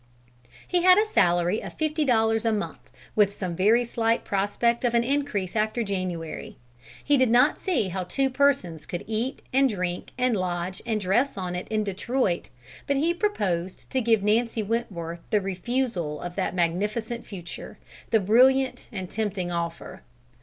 He had a salary of fifty dollars a month, with some very slight prospect of an increase after January. He did not see how two persons could eat, and drink, and lodge, and dress on it in Detroit, but he proposed to give Nancy Wentworth the refusal of that magnificent future, that brilliant and tempting offer.